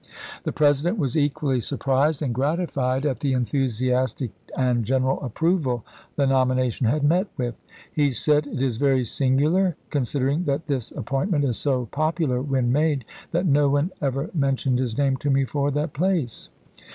The President was equally surprised and gratified at the enthusiastic and general approval the nomination had met with. He said: "It is very singular, considering that this Diary, appointment is so popular when made, that no one ever mentioned his name to me for that place.